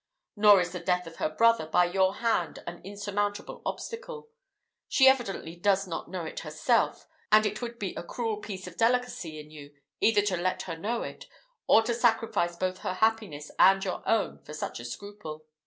Nor is the death of her brother by your hand an insurmountable obstacle. She evidently does not know it herself; and it would be a cruel piece of delicacy in you either to let her know it, or to sacrifice both her happiness and your own for such a scruple."